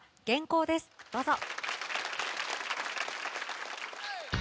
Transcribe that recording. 「眩光」です、どうぞ。